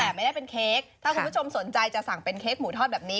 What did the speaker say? แต่ไม่ได้เป็นเค้กถ้าคุณผู้ชมสนใจจะสั่งเป็นเค้กหมูทอดแบบนี้